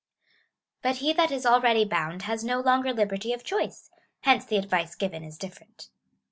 But he that is already bound has no longer liberty of choice ; hence the advice given is diiferent.